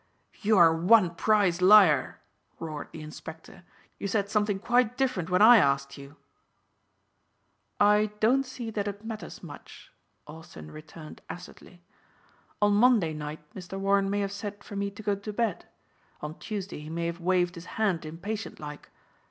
"You are one prize liar!" roared the inspector. "You said something quite different when I asked you." "I don't see that it matters much," Austin returned acidly. "On Monday night Mr. Warren may have said for me to go to bed. On Tuesday he may have waved his hand impatient like.